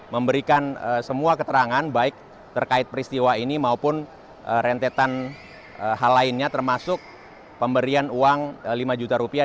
memberikan semua keterangan baik terkait peristiwa ini maupun rentetan hal lainnya termasuk pemberian uang lima juta rupiah